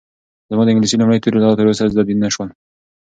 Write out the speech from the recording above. زما د انګلیسي لومړي توري لا تر اوسه زده نه شول.